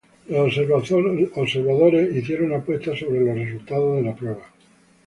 Los observadores hicieron apuestas sobre los resultados de la prueba.